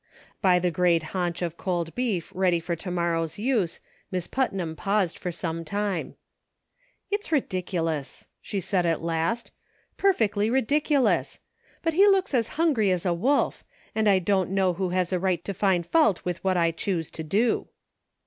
By the great haunch of cold beef ready for to morrow's use, Miss Putnam paused for some time. "It's ridiculous!" she said at last; "perfectly ridiculous ! but he looks as hungry as a wolf ; and I don't know who has a right to find fault with what I choose to do."